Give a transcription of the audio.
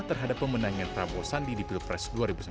terhadap pemenangan prabowo sandi di pilpres